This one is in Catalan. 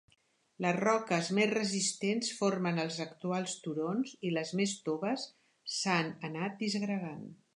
Les roques més resistents formen els actuals turons i les més toves s’han anat disgregant.